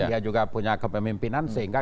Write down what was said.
dia juga punya kepemimpinan sehingga